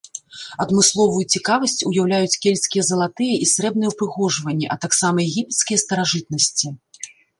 Адмысловую цікавасць уяўляюць кельтскія залатыя і срэбныя ўпрыгожванні, а таксама егіпецкія старажытнасці.